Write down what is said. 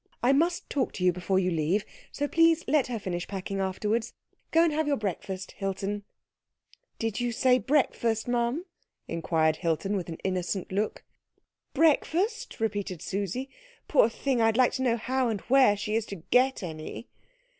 "I must talk to you before you leave, so please let her finish packing afterwards. Go and have your breakfast, Hilton." "Did you say breakfast, m'm?" inquired Hilton with an innocent look. "Breakfast?" repeated Susie; "poor thing, I'd like to know how and where she is to get any."